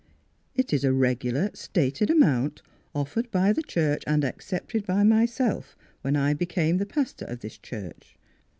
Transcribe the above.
" It is a regular stated amount, offered by the church and accepted by myself, when I became the pastor of this church.